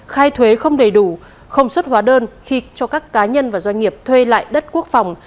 khai thuế không đầy đủ không xuất hóa đơn khi cho các cá nhân và doanh nghiệp thuê lại đất quốc phòng